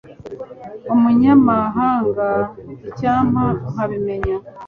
umunyamahanga, icyampa nkabimenya